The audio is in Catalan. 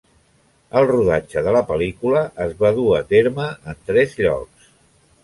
El rodatge de la pel·lícula es va dur a terme en tres llocs.